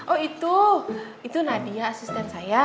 oh itu itu nadia asisten saya